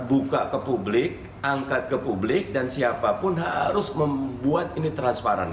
buka ke publik angkat ke publik dan siapapun harus membuat ini transparan